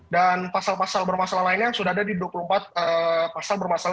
dan pasal pasal bermasalah lainnya yang sudah ada di dua puluh empat pasal bermasalah